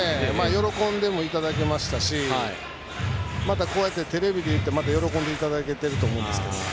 喜んでもいただけましたしまたこうやってテレビで言ってまた喜んでいただけると思います。